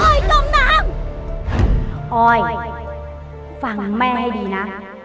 ไอ้อยจมน้ำไอ้อยจมน้ำฟังแม่ดีนะ